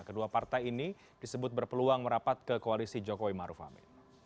kedua partai ini disebut berpeluang merapat ke koalisi jokowi maruf amin